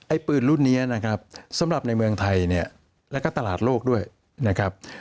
ปืนรุ่นนี้นะครับสำหรับในเมืองไทยเนี่ยแล้วก็ตลาดโลกด้วยนะครับ